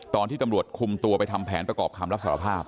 ตอนที่ตำรวจคุมตัวไปทำแผนประกอบคำรับสารภาพ